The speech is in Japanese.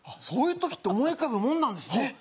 そういう時って思い浮かぶもんなんですね。